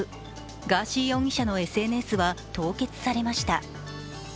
ガーシー容疑者のＳＮＳは凍結されました。